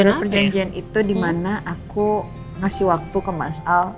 ada perjanjian itu dimana aku ngasih waktu ke mas al